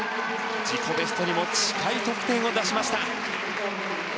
自己ベストにも近い得点を出しました。